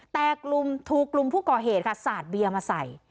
แต่ทูกกลุ่มผู้กอเหตุสาดเบียมาใส่